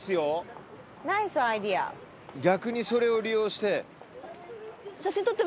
逆にそれを利用して。